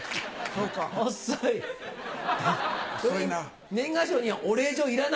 遅いな。